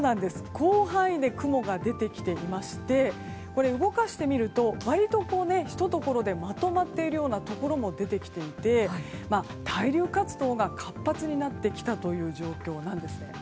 広範囲で雲が出てきていまして動かしてみると、割とひとところでまとまっているようなところも出てきていて対流活動が活発になってきたという状況なんです。